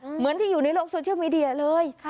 เหมือนที่อยู่ในโลกโซเชียลมีเดียเลย